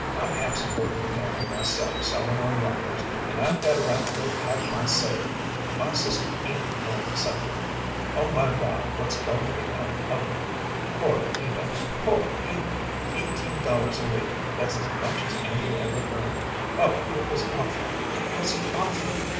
I've half supported the family myself sewin' on wrappers, and I've got a right to have my say. My sister ain't goin' to suffer! Oh, my God, what's goin' to become of her? Poor Eva, poor Eva! Eighteen dollars a week; that's as much as Andrew ever earned. Oh, it was awful, it was awful!